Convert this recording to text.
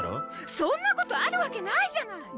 そんなことあるわけないじゃない！